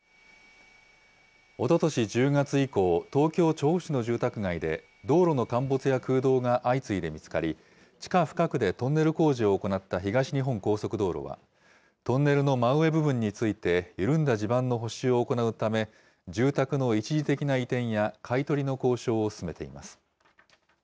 おととし１０月以降、東京・調布市の住宅街で、道路の陥没や空洞が相次いで見つかり、地下深くでトンネル工事を行った東日本高速道路は、トンネルの真上部分について緩んだ地盤の補修を行うため、住宅の一時的な移転や買い取りの交渉を進めています。